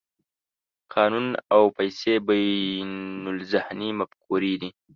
قانون او پیسې بینالذهني مفکورې دي.